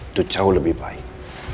itu jauh lebih baik